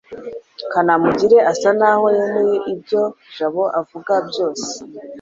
kanamugire asa naho yemera ibyo jabo avuga byose